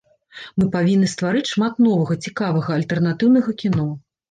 Мы павінны стварыць шмат новага, цікавага, альтэрнатыўнага кіно.